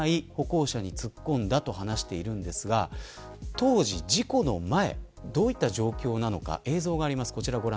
当時、事故の前どのような状況だったのか映像があります。